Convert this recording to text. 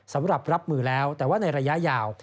สำหรับรับมือแล้วแต่ว่าในระยะยาว